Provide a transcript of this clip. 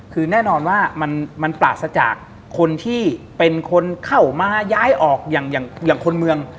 คือแน่นอนว่ามันปราศจากคนที่เป็นคนเข้ามาย้ายออกอย่างคนเมือง